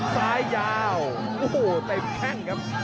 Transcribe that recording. ซ้ายยาวจุดเต็มแค่งครับ